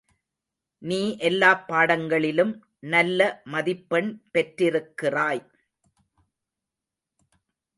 நீ எல்லாப் பாடங்களிலும் நல்ல மதிப்பெண் பெற்றிருக்கிறாய்.